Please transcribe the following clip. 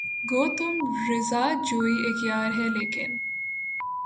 گو تم کو رضا جوئیِ اغیار ہے لیکن